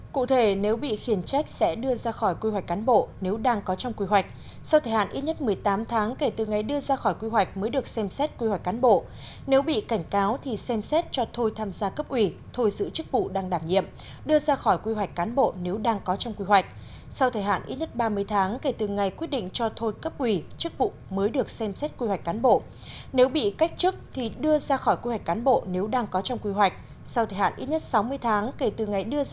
cụ thể nếu bị khiển trách sẽ đưa ra khỏi quy hoạch cán bộ nếu đang có trong quy hoạch sau thời hạn ít nhất một mươi tám tháng kể từ ngày đưa ra khỏi quy hoạch mới được xem xét quy hoạch cán bộ nếu bị cảnh cáo thì xem xét cho thôi tham gia cấp ủy thôi giữ chức vụ đang đảm nhiệm đưa ra khỏi quy hoạch cán bộ nếu đang có trong quy hoạch sau thời hạn ít nhất ba mươi tháng kể từ ngày quyết định cho thôi cấp ủy chức vụ mới được xem xét quy hoạch cán bộ nếu bị cách chức thì đưa ra khỏi quy hoạch cán bộ nếu đang có trong quy hoạch sau thời hạn ít nhất sáu mươi tháng kể từ ngày đ